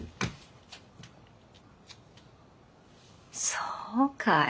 そうかい。